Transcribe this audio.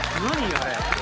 あれ。